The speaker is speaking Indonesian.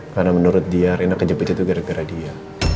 karena menurut dia reina kejepit itu gara gara dia